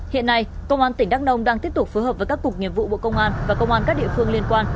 hiện nay công an tỉnh đắk nông đang tiếp tục phối hợp với các cục nghiệp vụ bộ công an và công an các địa phương liên quan